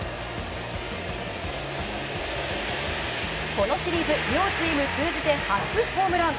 このシリーズ両チーム通じて初ホームラン。